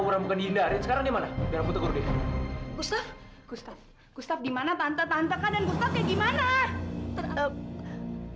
orang bukan dinda sekarang gimana gustaf gustaf dimana tante tante kanan kanan gimana